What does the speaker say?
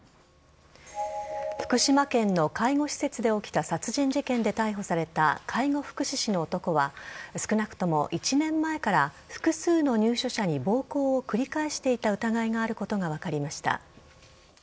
福島県の介護施設で起きた殺人事件で逮捕された介護福祉士の男は少なくとも１年前から複数の入所者に暴行を繰り返していた疑いがあることが分かりました。